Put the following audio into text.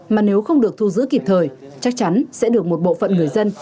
mà nếu không được thu giữ kịp thời chắc chắn sẽ được một bộ phận người dân